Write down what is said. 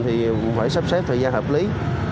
thì cũng phải sắp xếp thời gian hợp lý